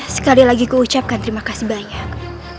sekali lagi ku ucapkan terima kasih banyak